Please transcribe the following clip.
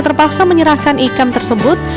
terpaksa menyerahkan ikan tersebut